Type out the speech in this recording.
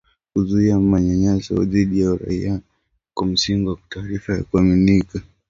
kuzuia manyanyaso dhidi ya raia kwa msingi wa taarifa za kuaminika